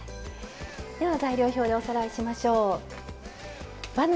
材料表でおさらいしましょう。